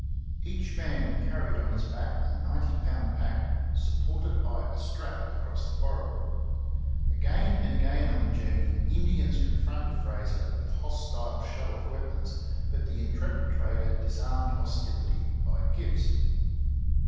Each man carried on his back a ninety pound pack, supported by a strap across the forehead. Again and again on the journey Indians confronted Fraser with hostile show of weapons, but the intrepid trader disarmed hostility by gifts.